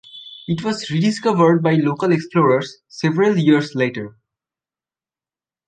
It was rediscovered by local explorers several years later.